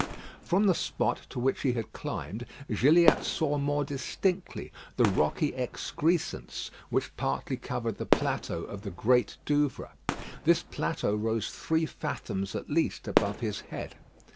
From the spot to which he had climbed, Gilliatt saw more distinctly the rocky excrescence which partly covered the plateau of the Great Douvre. This plateau rose three fathoms at least above his head.